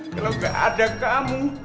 kalau gak ada kamu